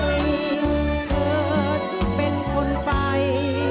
เธอจะเป็นคนไป